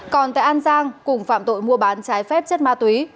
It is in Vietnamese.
còn tại an giang cùng phạm tội mua bán trái phép chất ma túy